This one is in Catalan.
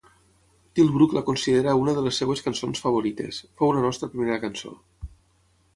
Tilbrook la considera una de les seves cançons favorites: fou la nostra primera cançó.